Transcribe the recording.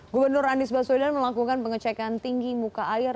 gubernur anies baswedan melakukan pengecekan tinggi muka air